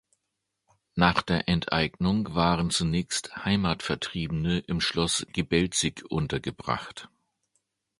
Nach der Enteignung waren zunächst Heimatvertriebene im Schloss Gebelzig untergebracht.